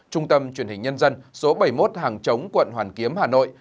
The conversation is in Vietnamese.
trung tâm truyền hình nhân dân số bảy mươi một hàng chống quận hoàn kiếm hà nội